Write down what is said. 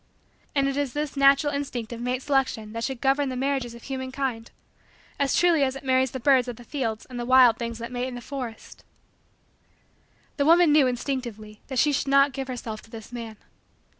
And it is this natural instinct of mate selection that should govern the marriages of human kind as truly as it marries the birds of the fields and the wild things that mate in the forests. The woman knew, instinctively, that she should not give herself to this man.